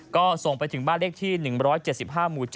ก็ส่งไปถึงบ้านเลขที่๑๗๕หมู่๗